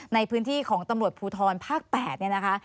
ในพื้นที่ของตำรวจภูทรภาค๘เนี่ยนะคะ